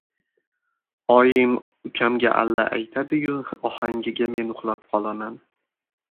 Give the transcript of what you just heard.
Oyim ukamga alla aytadi- yu, ohangiga men uxlab qolaman...